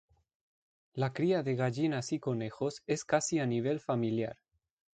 La cría de gallinas y conejos, es casi a nivel familiar.